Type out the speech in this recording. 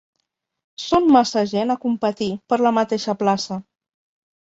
Són massa gent a competir per la mateixa plaça.